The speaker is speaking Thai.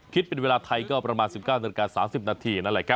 คิดเป็นเวลาไทยก็ประมาณ๑๙นาฬิกา๓๐นาที